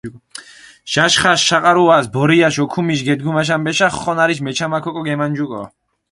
ჟაშხაშ შაყარუას ბორიაშ ოქუმიშ გედგუმაშ ამბეშა ხონარიშ მეჩამაქ ოკო გემანჯუკო.